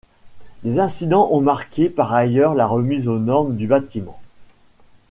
Des incidents ont marqué par ailleurs la remise aux normes du bâtiment.